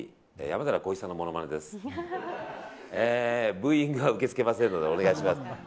ブーイングは受け付けませんのでお願いします。